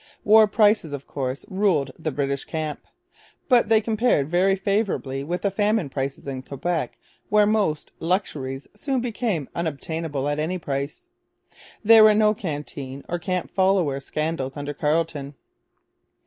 War prices of course ruled in the British camp. But they compared very favourably with the famine prices in Quebec, where most 'luxuries' soon became unobtainable at any price. There were no canteen or camp follower scandals under Carleton.